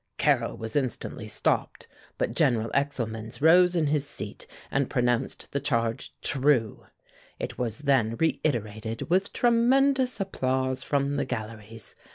Carrel was instantly stopped, but General Excelmens rose in his seat and pronounced the charge true. It was then reiterated with tremendous applause from the galleries.